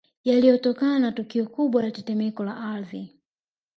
Yalitokana na tukio kubwa la tetemeko la Ardhi